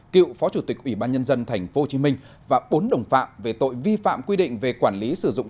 cựu phó chủ tịch ủy ban nhân dân tp hcm và bốn đồng phạm về tội vi phạm quy định về quản lý sử dụng